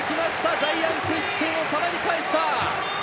ジャイアンツ、１点をさらに返した。